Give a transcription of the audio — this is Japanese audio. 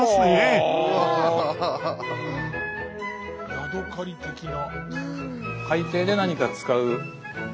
ヤドカリ的な。